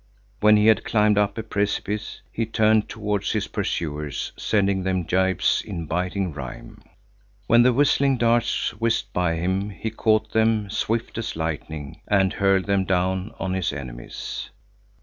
When he had climbed up a precipice, he turned towards his pursuers, sending them gibes in biting rhyme. When the whistling darts whizzed by him, he caught them, swift as lightning, and hurled them down on his enemies.